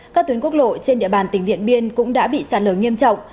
các tuyến quốc lộ trên địa bàn tỉnh điện biên cũng đã bị sạt lở nghiêm trọng